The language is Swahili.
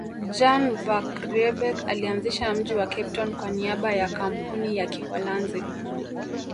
Jan van Riebeeck alianzisha mji wa Cape Town kwa niaba ya Kampuni ya Kiholanzi